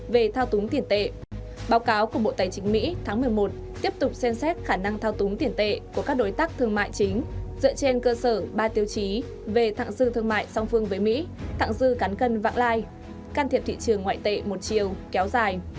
về thao túng tiền tệ báo cáo của bộ tài chính mỹ tháng một mươi một tiếp tục xem xét khả năng thao túng tiền tệ của các đối tác thương mại chính dựa trên cơ sở ba tiêu chí về thẳng dư thương mại song phương với mỹ tặng dư cán cân vãng lai can thiệp thị trường ngoại tệ một chiều kéo dài